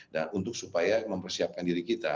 dan untuk supaya mempersiapkan diri kita